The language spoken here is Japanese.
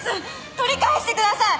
取り返してください！